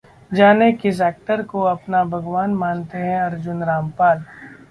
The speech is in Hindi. जानें किस एक्टर को अपना भगवान मानते हैं अर्जुन रामपाल...